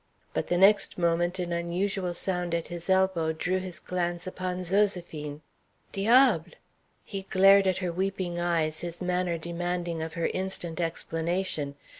But the next moment an unusual sound at his elbow drew his glance upon Zoséphine. "Diable!" He glared at her weeping eyes, his manner demanding of her instant explanation.